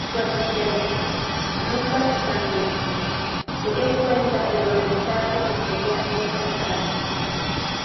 Su asistente, Lucas Santino, se dio cuenta de lo rentable que sería esta savia.